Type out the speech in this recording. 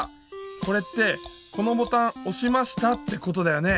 これってこのボタンおしましたってことだよね。